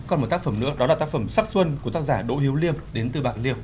còn một tác phẩm nữa đó là tác phẩm sắc xuân của tác giả đỗ hiếu liêm đến từ bạc liêu